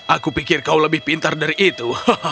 aku pikir kau lebih pintar dari itu